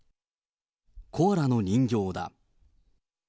コアラの人形だ。